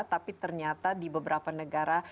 tapi ternyata di beberapa negara